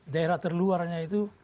daerah terluarnya itu